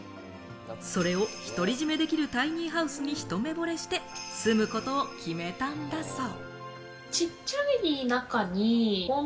それを独り占めできるタイニーハウスに一目ぼれして住むことを決めたんだそう。